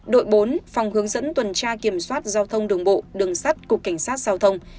đội bốn phòng hướng dẫn tuần tra kiểm soát giao thông đường bộ đường sắt cục cảnh sát giao thông